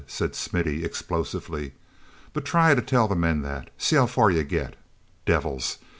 said Smithy explosively. "But try to tell the men that. See how far you get. 'Devils!'